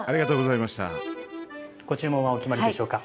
ご注文はお決まりでしょうか？